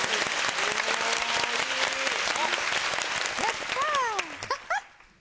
やったー。